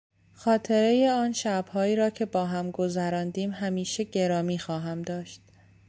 خاطرهی آن شبهایی را که با هم گذراندیم همیشه گرامی خواهم داشت.